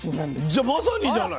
じゃあまさにじゃない。